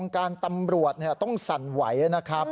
การตำรวจต้องสั่นไหวนะครับ